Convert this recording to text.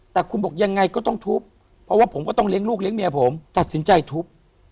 แต่คุณบอกยังไงก็ต้องทุบเพราะว่าผมก็ต้องเลี้ยงลูกเลี้ยเมียผมตัดสินใจทุบ